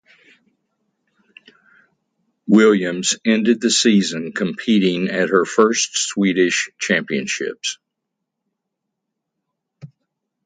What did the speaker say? Williams ended the season competing at her first Swedish Championships.